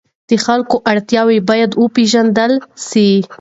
د خلکو اړتیاوې باید وپېژندل سي.